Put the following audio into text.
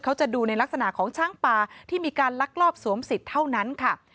เขาจะดูในลักษณะของช้างป่าที่มีการลักลอบสวมสิทธิ์เท่านั้นค่ะ